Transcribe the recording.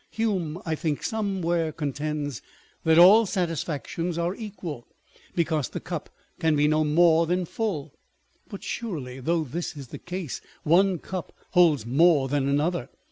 Hume, I think, somewhere contends that all satisfactions are equal,1 because the cup can be no more than full. But surely, though this is the case, one cup holds more than another.